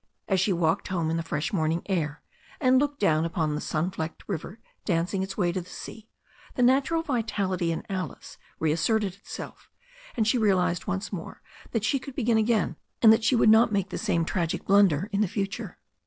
As she walked home in the fresh morning air, and looked down upon tlie sun specked river dancing its way to the sea, the natural vitality in Alice reasserted itself, and she realized once more that she could begin again, and that she would not make the same tragic blunder in the future.